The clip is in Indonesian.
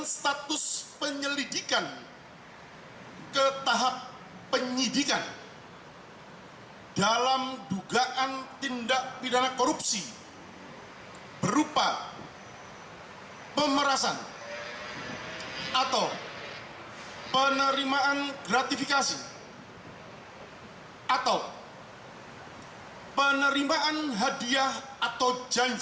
status penyelidikan ke tahap penyidikan dalam dugaan tindak pidana korupsi berupa pemerasan atau penerimaan gratifikasi atau penerimaan hadiah atau janji oleh pegawai negeri